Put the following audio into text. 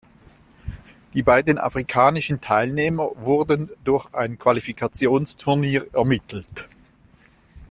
Die beiden afrikanischen Teilnehmer wurden durch ein Qualifikationsturnier ermittelt.